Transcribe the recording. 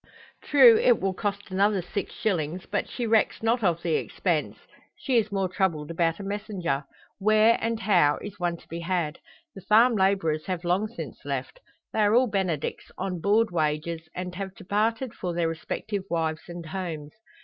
True, it will cost another six shillings, but she recks not of the expense. She is more troubled about a messenger. Where, and how, is one to be had? The farm labourers have long since left. They are all Benedicts, on board wages, and have departed for their respective wives and homes.